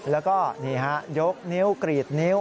แล้วก็นี่ฮะยกนิ้วกรีดนิ้ว